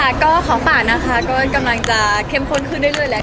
ค่ะก็ของฝากนะคะก็กำลังจะเข้มข้นขึ้นเรื่อยแล้ว